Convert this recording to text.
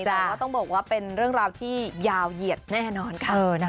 แต่ว่าต้องบอกว่าเป็นเรื่องราวที่ยาวเหยียดแน่นอนค่ะ